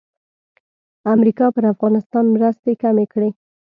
امریکا پر افغانستان مرستې کمې کړې.